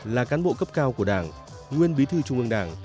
là cán bộ cấp cao của đảng nguyên bí thư trung ương đảng